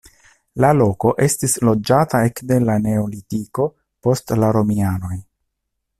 La loko estis loĝata ekde la neolitiko post la romianoj.